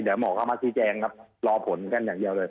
เดี๋ยวหมอเข้ามาชี้แจงครับรอผลกันอย่างเดียวเลย